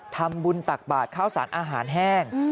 ทำบุญตักบาทข้าวสารอาหารแห้ง